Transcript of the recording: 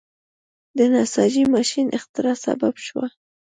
د نساجۍ ماشین اختراع سبب شو.